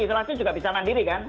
isolasi juga bisa mandiri kan